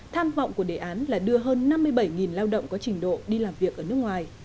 tham vọng của đề án là đưa hơn năm mươi bảy lao động có trình độ đi làm việc ở nước ngoài